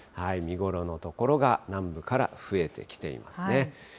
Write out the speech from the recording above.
見頃の所が南部から増えてきていますね。